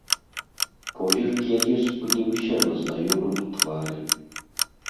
Позірк яе спыніўся на знаёмым твары.